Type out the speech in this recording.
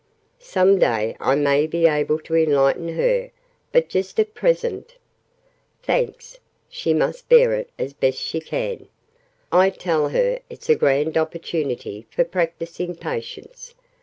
"Some day I may be able to enlighten her: but just at present " "Thanks. She must bear it as best she can. I tell her it's a grand opportunity for practising patience.